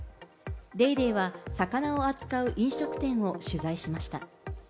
『ＤａｙＤａｙ．』は魚を扱う飲食店を取材しました。